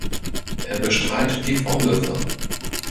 Er bestreitet die Vorwürfe.